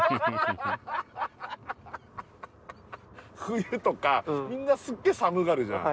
冬とかみんなすげえ寒がるじゃん？